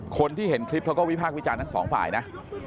คนที่เห็นคลิปเขาก็วิพากษ์วิจารณ์ทั้งสองฝ่ายนะ